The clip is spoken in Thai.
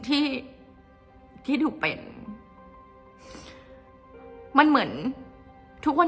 เพราะในตอนนั้นดิวต้องอธิบายให้ทุกคนเข้าใจหัวอกดิวด้วยนะว่า